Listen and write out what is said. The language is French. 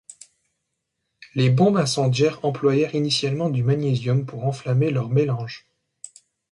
Les bombes incendiaires employèrent initialement du magnésium pour enflammer leur mélange.